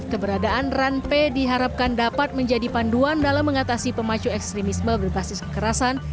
keberadaan run p diharapkan dapat menjadi panduan dalam mengatasi pemacu ekstremisme berbasis kekerasan